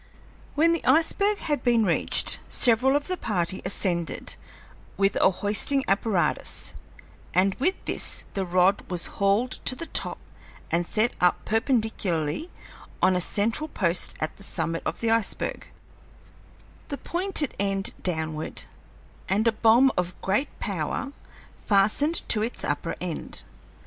When the iceberg had been reached, several of the party ascended with a hoisting apparatus, and with this the rod was hauled to the top and set up perpendicularly on a central spot at the summit of the iceberg, the pointed end downward, and a bomb of great power fastened to its upper end.